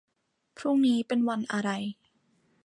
พรุ่งนี้เป็นวันอะไร